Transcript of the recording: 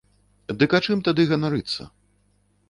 Дык а чым тады ганарыцца?